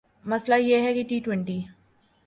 مسئلہ یہ ہے کہ ٹی ٹؤنٹی